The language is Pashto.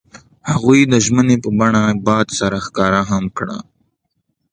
هغوی د ژمنې په بڼه باد سره ښکاره هم کړه.